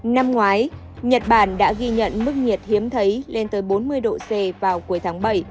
năm ngoái nhật bản đã ghi nhận mức nhiệt hiếm thấy lên tới bốn mươi độ c vào cuối tháng bảy